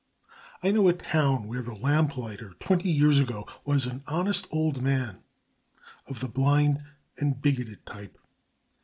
I know a town where the lamplighter twenty years ago was an honest old man of the blind and bigoted type.